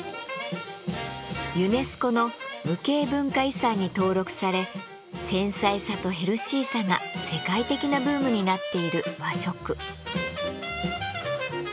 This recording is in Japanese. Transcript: ユネスコの無形文化遺産に登録され繊細さとヘルシーさが世界的なブームになっている和食。